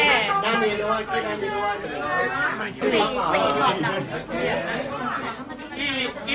อันนั้นจะเป็นภูมิแบบเมื่อ